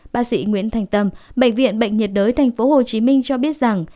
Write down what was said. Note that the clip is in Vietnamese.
bác sĩ nguyễn thành tâm bệnh viện bệnh nhiệt đới tp hcm cho biết rằng